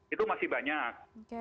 itu masih banyak